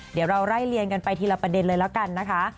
เดี๋ยวเราไล่เลียงกันไปทีละประเด็นเลยแล้วกันนะคะ